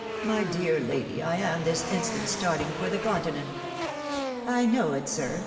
My dear lady, I am instant starting for the Continent." " I know it, sir